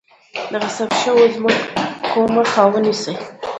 د غصب شوو ځمکو مخه ونیسئ.